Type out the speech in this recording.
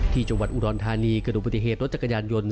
ที่จังหวัดอุดรธานีเกิดดูปฏิเหตุรถจักรยานยนต์